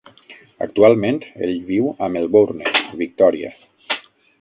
Actualment, ell viu a Melbourne, Victòria.